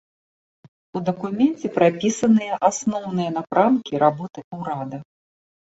У дакуменце прапісаныя асноўныя напрамкі работы ўрада.